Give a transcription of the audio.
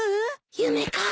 夢か。